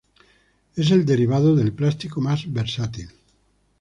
Es el derivado del plástico más versátil.